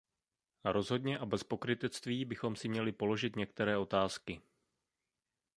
Rozhodně a bez pokrytectví bychom si měli položit některé otázky.